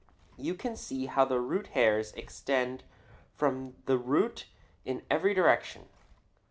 You can see how the root hairs extend from the root in every direction.